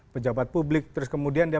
pejabat publik terus kemudian dia